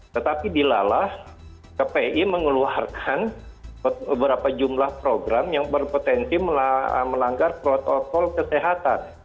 tetapi dilalah kpi mengeluarkan beberapa jumlah program yang berpotensi melanggar protokol kesehatan